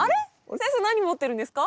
先生何持ってるんですか？